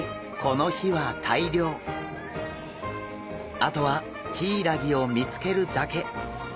あとはヒイラギを見つけるだけ。